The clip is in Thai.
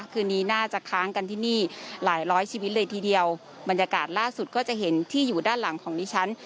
คืนนี้น่าจะค้างกันที่นี่หลายร้อยชีวิตเลยทีเดียวบรรยากาศล่าสุดก็จะเห็นที่อยู่ด้านหลังของดิฉัน